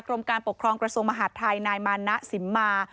กรมการปกครองกระทรวงมหาดไทยนายมานะสิมมา